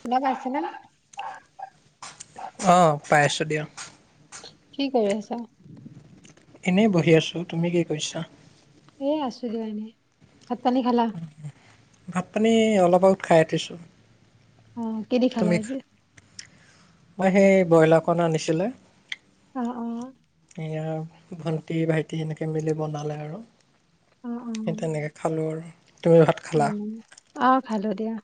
কোনে পাইছিলে? অঁ পাই আছো দিয়া। কি কৰি আছা? এনেই বহি আছোঁ। তুমি কি কৰিছা? এ আছো দিয়া এনে। ভাত পানী খালা? ভাত- পানী, অলপ আগত খাই উঠিছো। অ' কি দি খালা আজি? মই সেই, ব্ৰইলাৰকন আনিছিলে। অ! অ। এয়া ভন্টি, ভাইটি এনেকে মিলি বনালে আৰু। অ', সেই অ', তেনেকে, খালোঁ আৰু। তুমি ভাত খালা অ! খালো দিয়া।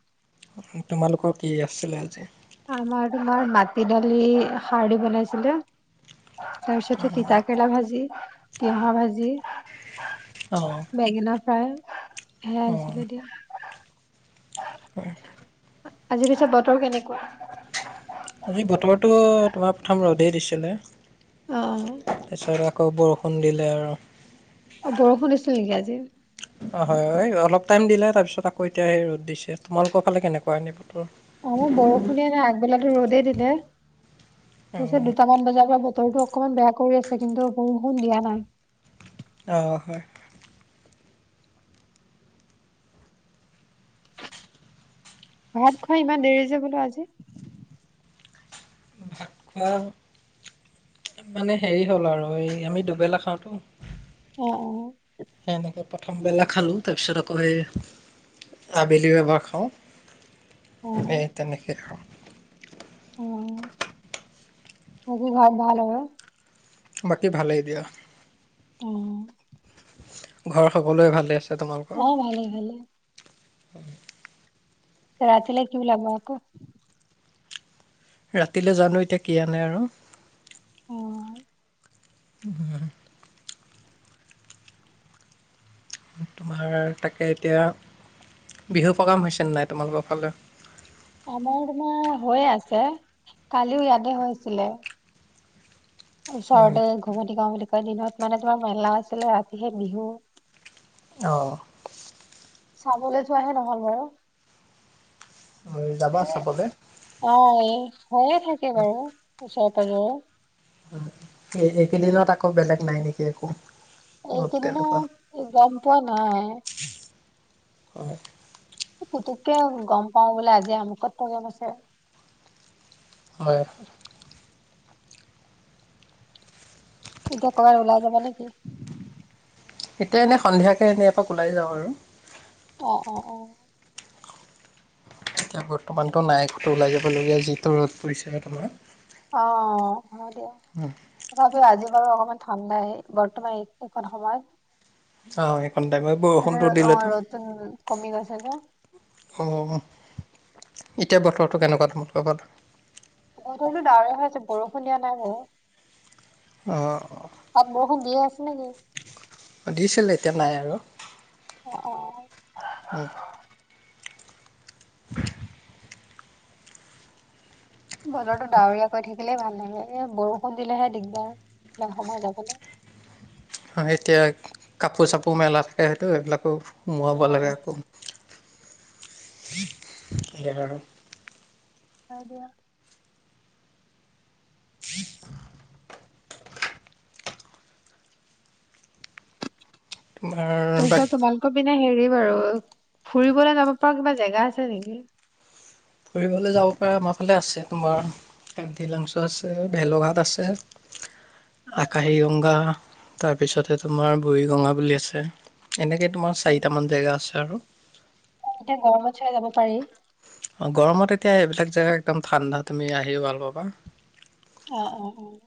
তোমালোকৰ, কি আছিলে আজি? আমাৰ তোমাৰ, মাটি দালি সাৰ দি বনাইছিলে। তাৰ পিছতে, তিতা কেৰেলা ভাজি। তিয়হৰ ভাজি। অঁ বেঙেনা ফ দাইল। সেয়াই আছিলে দিয়া। অ আজিৰ পিছত বতৰ কেনেকুৱা আজি বতৰটো তোমাৰ প্ৰথম ৰদেই দিছিলে অ', তাৰপিছত আক আকৌ বৰষুণ দিলে আৰু জি অ হয় অলপ টাইম দিলে তাৰপিছত আকৌ এতিয়া সেই ৰ'দ দিছে তোমালোকৰ ফালে কেনেকোৱা এনে আমাৰ বৰষুণে নাই আগবেলা ৰদেই দিলে তাৰপাছত অঁ দুটামান বজাৰ‌ পৰা বতৰটো অকণমান বেয়া কৰি আছে কিন্তু বৰষুণ দিয়া নাই অঁ হয় ভাত খাই ইমান দেৰি যে বোলো আজি ভাত খোৱা মানে হেৰি হ'ল আৰু এই আমি দুবেলা খাওঁতো অ অ সেনেকে প্ৰথমবেলা খালো তাৰপিছত আকৌ সেই আবেলিও এবাৰ অ খাওঁ এই তেনেকেই খাওঁ অ বাকী ঘৰত ভাল আৰু বাকী ভালেই দিয়া অ ঘৰ সকলোৱে ভালে আছে তোমালোকৰ অ ভালে ভালে [unintelligible] ৰাতি লে কি ওলাব আকৌ ৰাতিলৈ জানো এতিয়া কি আনে আৰু অ উ তোমাৰ তাকে এতিয়া বিহু প্ৰগ্ৰাম হৈছেনে নাই তোমালোকৰ ফালে আমাৰ তোমাৰ হৈ আছে কালিও ইয়াতে হৈছিলে উম, ওচৰতে ঘুমতি গাওঁ বুলি ক দিনত মানে তোমাৰ মেলা আছিলে ৰাতি হে বিহু অহঁ চাবলৈ যোৱাহে নহল মোৰ যাবা চাবলে অ এই হৈয়ে থাকে বাৰু উচত-পাজৰ এইকেইদিনত আকৌ বেলেগ নাই নেকি একো অলপ তেনেকুৱা এইকেইদিনত গম পোৱা নাই হয় পুতুককে গম পাও বোলে আজি আমুকত প্ৰগ্ৰেম আছে হয় এতিয়া কবাত ওলাই যাব নেকি এতিয়া এনেই সন্ধিয়াকে এনেই এপাক ওলাই যাওঁ আৰু অ অ অ এতিয়া বৰ্তমানটো নাই কত ওলাই যাবলগীয়া যিটো ৰ'দ পৰিছে ন তোমাৰ অ অ দিয়া তথাপিও আজি বাৰু অকমান ঠাণ্ডাই বৰ্তমান এক সময়ত আহ খন্তেকীয়া বৰষুণটো অ দিলেতো ৰ'দটো উম কমি গৈছে যে অ এতিয়া বতৰটো কেনেকুৱা তম ক'বাত বো ডাৱৰে হৈ আছে বৰষুণ দিয়া নাই বাৰু অ অ বৰষুণ দিয়ে আছে [unintelligible] দিছিল এতিয়া নাই আৰু অ অ উম [unintelligible] বতৰটো ডাৱৰীয়াাকৈ থাকিলেই ভাল লাগে এ বৰষুণ দিলেহে দিগদাৰিল সময় যাবলৈ এতিয়া কাপোৰ চাপোৰ মেলা থাকে সেইটো সেইবিলাকো। সোৱাব লাগে উম আকৌ এয়য়া আৰু ক দিয়া [inaudible] তোমাৰ ব মে হেৰি বাৰু ফুৰিবলৈ যাব পৰা কিবা জেগা আছে নেকি? ফুৰিবলৈ যাব পৰা আমাৰ ফালে আছে তোমাৰ [unintelligible] লাংচ আছে ভেলঘাট আছে। আকাশি গংগা। তাৰপিছতে তোমাৰ বুৰিগঙা বুলি আছে। এনেকৈ তোমাৰ অ, চাৰিটামান জেগা আছে আৰু। এতিয়া গৰমত চাগে যাব পাৰি? অ' গৰমত এতিয়া এইবিলাক জেগা একদম ঠাণ্ডা তুমি আহিও ভাল পাবা। অ' অ' অ'।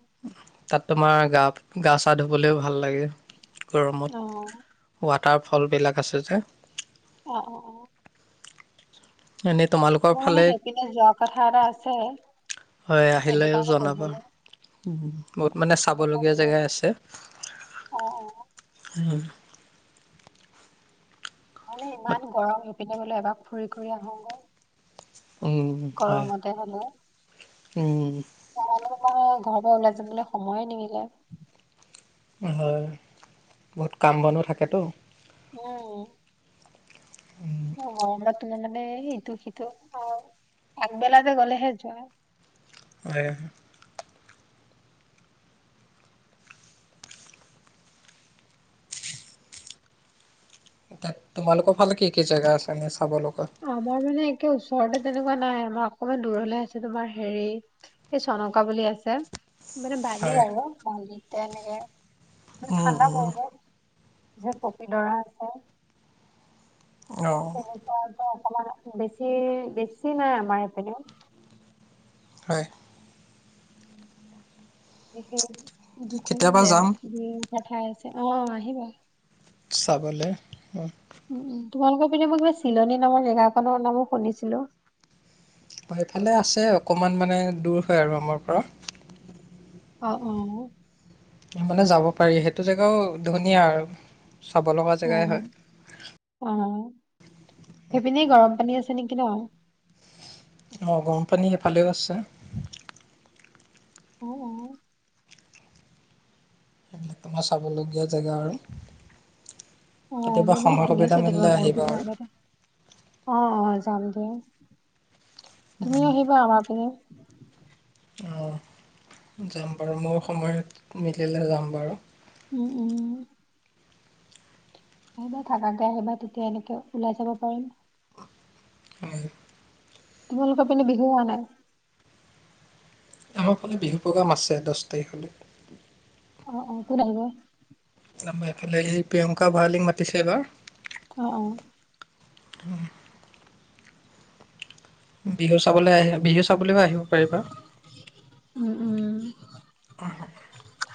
তাত তোমাৰ গা গা চা ধুবলৈও ভাল লাগে। অ গৰমত হোৱাত তাৰ ফলবিলাক আছে যে অ' অ' অ'। এনেই তোমালোকৰ মোৰ মানে ফালে, সেইপিনে যোৱা কথা এটা আছে হয় সেইটো আহিলে কাৰণে জনাবা সুধিলো অ বহুত মানে কেনেকুৱা চাবলগীয়া কি জেগাই আছে। অ অ অ' বাট ইমান গৰম পিনে বোলে এবাক ফুৰি ঘুৰি আহোগৈ উম হয়। গৰমতে হ'লেও উম। মই ঘৰৰ পৰা ওলাই যাবলৈ সময়ে নিমিলে। হয় বহুত কাম বনো থাকেতো। উম। অ' তোমাৰ মানে সটো সিটো আগবেলাতে গ'লেহে যোৱা। আৰু [unintelligible] তাত তোমালোকৰ ভালে কি কি জেগা আছে এনে চাব লগা? আমাৰ মানে একে ওচ ওচৰতে তেনেকুৱা নাই আমাৰ অকনমান দূৰলে আছে তোমাৰ হেৰি এই চনকা বুলি আছে। মানে বালি হয় আৰু বালি। তেনেক মানে উম ঠাণ্ডা উম পৰিব। পিছত পপিডৰা আছে। অঁ [inaudible] [inaudible] বেছি বেছি নাই আমাৰ সিপিনেও হয় [inaudible] কেতিয়াবা যাম [inaudible] [inaudible] পঠাই আছে অ আহিবা চাবলৈ [inaudible] উম উম তোমালোকৰ পিনে মই কিবা চিলনী নামৰ জেগাখনৰ নামো শুনিছিলো এইফালে আছে অকণমান মানে দূৰ হয় আৰু আমাৰ পৰা অ অ [inaudible] যাব পাৰি সেইটো জেগাও ধুনীয়া আৰু চাব লগা অ জেগাই হয় অ সেইপিনে গৰম পানী আছে নেকি [inaudible] অ গৰম পানী সেইফালেও আছে অ সেইবিলাক তোমাৰ চাবলগীয়া জেগা আৰু অ কেতিয়াবা মই মানে সময় শুনি সুবিধা [inaudible] মিলিলে তোমাৰ বহুত আহিবা আৰু দিনৰ আগতে অ অ যাম দিয়া তুমি আহিবা আমাৰপিনে অঁ যাম বাৰু মইও সময়ত মিলিলে যাম বাৰু উম-উম আহিবা থাকাকে আহিবা তেতিয়া এনেকে ওলাই চাব পাৰিম তোমালোকৰ পিনে বিহু হোৱা নাই? আমাৰ ফালে বিহু প্ৰগ্ৰাম আছে দহ তাৰিখলৈ অ-অ কোন আহিব? এইফালে এই প্ৰিয়ংকা ভৰালিক মাতিছে এইবাৰ অ-অ [inaudible] বিহু চাবলৈ [inaudible] বিহু চাবলৈও আহিব পাৰিবা উম-উম আহ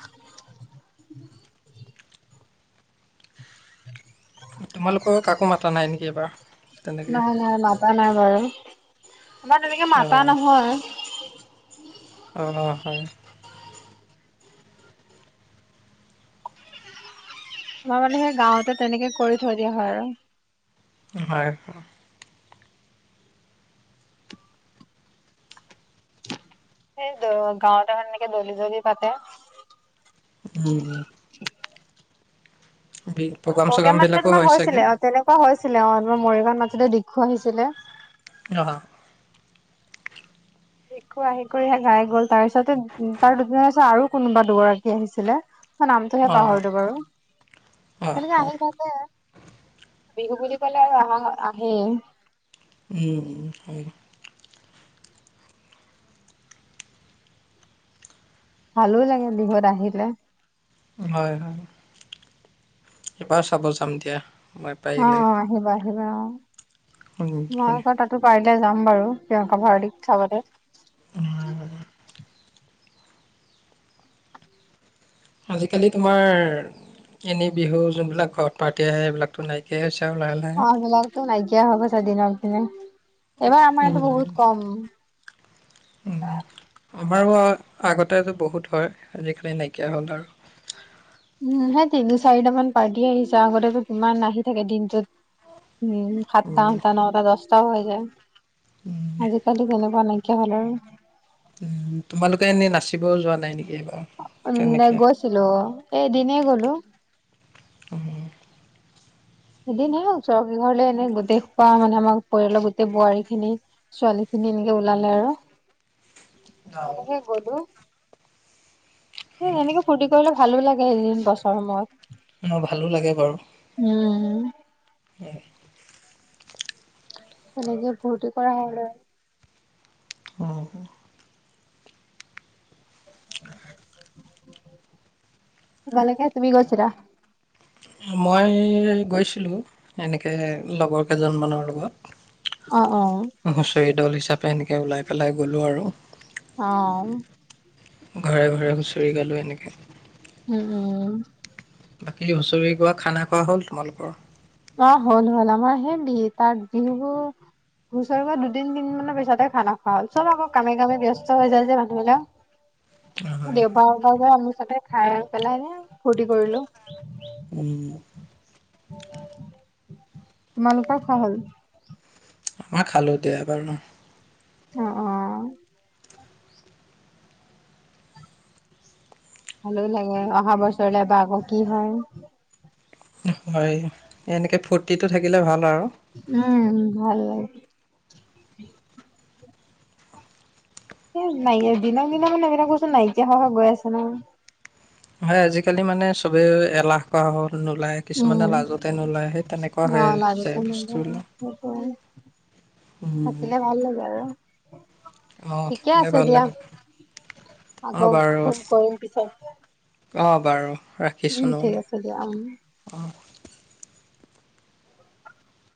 [inaudible] তোমালোকৰ কাকো মাতা নাই নেকি এবাৰ? তেনেকে? নাই নাই মাতা নাই বাৰু আমাৰ তেনেকে মাতা অঁ নহয় [inaudible] অ হয় তাৰ মানে সেই গাঁৱতে তেনেকে কৰি থৈ দিয়া হয় আৰু হয় [inaudible] সেই [inaudible] গাঁৱতে [inaudible] [inaudible] দলি জলি পাতে উম [inaudible] চগ্ৰাম প্ৰগ্ৰাম এতে বিলাকো তোমাৰ হয় চাগে হৈছিলে অ তেনেকুৱা [inaudible] [inaudible] [inaudible] মৰিগাঁও [inaudible] [inaudible] আহিছিলে [inaudible] দেখো আহি কৰিহে ঘাই গ'ল তাৰ পিছতে তাৰ দুদিন পাছত আৰু কোনোবা দুগৰাকী আহিছিলে নামটোহে অ পাহৰিলো বাৰু অ তেনেকে অ আহি থাকে বিহু বুলি কলে আৰু আমাৰ ঘৰত আহেই উম হয় ভালো লাগে বিহুত আহিলে হয় হয় এবাৰ চাব যাম দিয়া মই পাৰিলে ঘ [unintelligible] উম, মই হয়। ক তাতে পাইল যাম বাৰু প্ৰিয়ংকা ভৰালিক চাবলৈ উ [unintelligible] আজিকালি তোমাৰ এনে বিহু যোনবিলাক ঘৰত পাতে সেবিলাকতো নাইকিয়াই হৈছে আৰু লাহে অ লাহে সেইবিলাক তো নাইকিয়াই হৈ গৈছে দিনক দিনে এইবাৰ আমাৰ ইয়াতো বহুত কম উম আমাৰো আগতে আজি বহুত হয় আজিকালি নাইকিয়া হ'ল আৰু উম সেই তিনি চাৰিটামান পাৰ্টি আহিছে আগতেতো কিমান আহি থাকে দিনটোত উম সাতটা উম, আঠটা নটা দহটা অ হৈ যায় আজিকালি কেনেকুৱা নাই কিয় হ'ল আৰু উ তোমালোকে এনেই নাচিব যোৱা নাই নেকি এইবাৰ নে তেনেকে গইছিলো এদিনে গ'লো অ এদিন হলেও ওচৰ কি ঘৰলে এনে গোটেই খোপা মানে আমাৰ পৰিয়ালৰ গোটেই বোৱাৰী খিনি ছোৱালী খিনি এনেকে ওলালে আৰু অ হেনেকে গলো এ এনেকে ফুৰ্তি কৰিলে ভালো লাগে এদিন বছৰ সময়ত অ ভালো লাগে বাৰু উম হয় এনেকে ফুৰ্তি কৰা হ'ল আৰু অ তোমালোকৰ তুমি গইছিলা মই গৈছিলোঁ এনেকে লগৰ কেইজনমানৰ লগত অ', অ', [unintelligible] হুচৰি দল ত এনেকে ওলাই পেলাই গলো আৰু অ', ঘৰে ঘৰে ঘৰে হুঁচৰি গালোঁ এনেকে উম উম বাকী হুঁচৰি গোৱা খানা খোৱা হ'ল তোমালোকৰ অ হল হল আমাৰ সেই বি তাত বিহুবোৰ হুচৰিব দুদিন তিনদিনৰ পিছততে খানা খোৱা হল চব আকৌ কামে কামে ব্যস্ত হৈ যায় যে মানুহবিলাক হয় দেওবাৰওবাৰ আমুচতে খাই পেলাই নে ফূুৰ্তি কৰিলো উম [inaudible] উ [inaudible] তোমালোকৰ খোৱা হল আমাৰ খালো দিয়া বাৰু অ অ ভালো লাগে অহা বছৰলে বা আকৌ কি হয় হয় এনেকে ফূুৰ্তিটো থাকিলে ভাল আৰু উম ভাল লাগে স নাই দিনক দিনা মানে এইবলাক বস্তু নাইকিয়া হৈ হৈ গৈ আছে নহয় হয় আজিকালি মানে চবে এলাহ কৰা হ'ল নোলায় কিছুমানে উম লাজতে নোলায় সেই তেনেকুৱা অ হৈ লাগেতো যায় বস্তুবিলাক উম দেখিলে ভাল লাগে আৰু অ ঠিকে থাকিলে আছে ভাল দিয়া লাগে অ আকৌ বাৰু ফোন কৰিম পিছত অ বাৰু ৰাখিছো উম ঠিক নহ'লে আছে উম্ [inaudible]